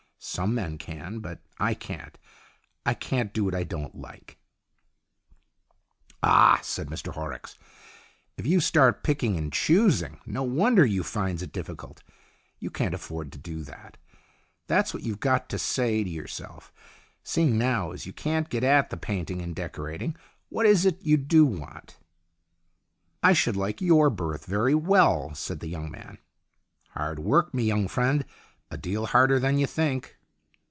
Some men can, but I can't ; I can't do what I don't like." n8 STORIES IN GREY "Ah!" said Mr Horrocks. "If you starts picking and choosing, no wonder you finds it difficult. You can't afford to do that. That's what you've got to say to yourself. Seeing now as you can't get at the painting and decorating, what is it you do want ?"" I should like your berth very well," said the young man. " Hard work, me young friend. A deal harder than you think."